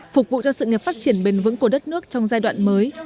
phục vụ cho sự nghiệp phát triển bền vững của đất nước trong giai đoạn mới